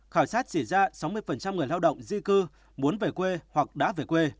khảo sát chỉ ra sáu mươi người lao động di cư muốn về quê hoặc đã về quê